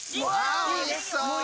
あおいしそう！